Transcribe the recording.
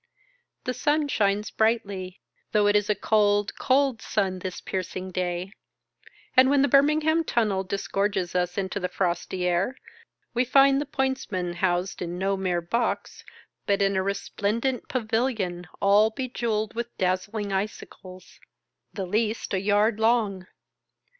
The sun shines brightly, though it is a cold cold sun, this piercing day ; and when the Birmingham tunnel disgorges us into the frosty air, we find the pointsman housed in no mere box, but in a resplendent pavilion, all bejewelled with dazzling icicles, the least a yard long.